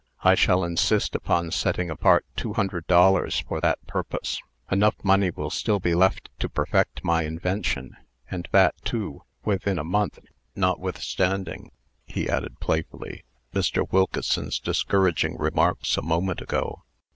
I shall insist upon setting apart two hundred dollars for that purpose. Enough money will still be left to perfect my invention; and that, too, within a month, notwithstanding" (he added, playfully) "Mr. Wilkeson's discouraging remarks a moment ago."